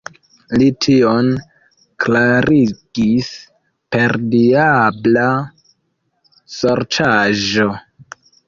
Li tion klarigis per diabla sorĉaĵo.